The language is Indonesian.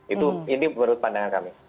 itu ini menurut pandangan kami